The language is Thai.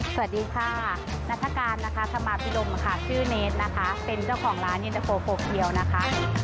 สวัสดีค่ะนัฐกาลนะคะธรรมาพิรมค่ะชื่อเนสนะคะเป็นเจ้าของร้านเย็นตะโฟโฟเคียวนะคะ